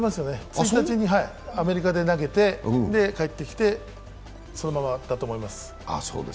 １日にアメリカで投げて、帰ってきてそのままだと思います。